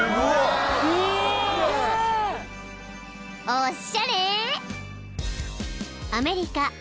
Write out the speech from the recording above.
［おっしゃれ］